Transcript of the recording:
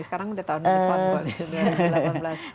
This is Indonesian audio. sekarang sudah tahun depan soalnya